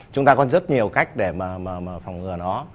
chúng ta có rất nhiều cách để mà phòng ngừa nó